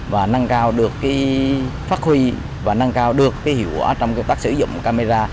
và năng cao được phát huy và năng cao được hiệu quả trong công tác sử dụng camera